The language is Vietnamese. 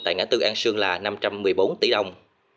tại ngã tư an sương là năm trăm một mươi bốn tỷ đồng